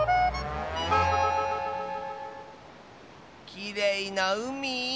きれいなうみ。